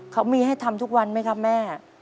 เขามีให้ทำทุกวันไหมครับแม่